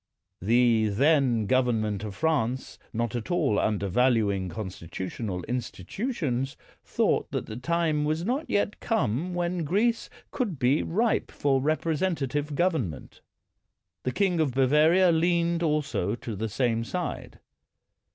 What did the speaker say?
The then govern ment of France, not at all undervaluing con stitutional institutions, thought that the time was not yet come when Greece could be ripe for representative government. The king of Bavaria leaned also to the same side.